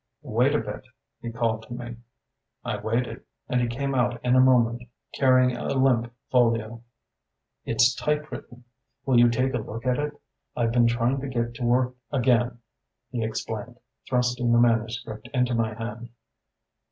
"Wait a bit!" he called to me. I waited, and he came out in a moment carrying a limp folio. "It's typewritten. Will you take a look at it? I've been trying to get to work again," he explained, thrusting the manuscript into my hand.